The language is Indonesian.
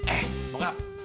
eh mau nggak